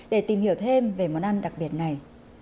để tìm hiểu thêm về món ăn đặc biệt này